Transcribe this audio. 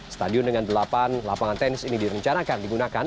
stadion dengan delapan lapangan tenis ini direncanakan digunakan